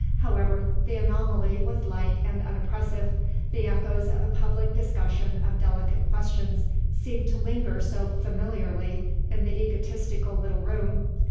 However, the anomaly was light and unoppressive the echoes of a public discussion of delicate questions seemed to linger so familiarly in the egotistical little room.